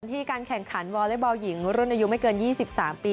ที่การแข่งขันวอเล็กบอลหญิงรุ่นอายุไม่เกิน๒๓ปี